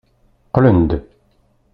Qqlen-d.